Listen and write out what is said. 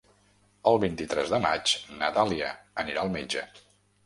El vint-i-tres de maig na Dàlia anirà al metge.